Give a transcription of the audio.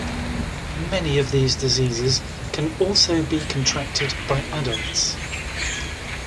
Many of these diseases can also be contracted by adults.